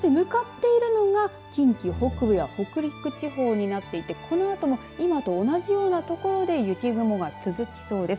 そして向かっているのが近畿北部や北陸地方になっていてこのあとも今と同じような所で雪雲が続きそうです。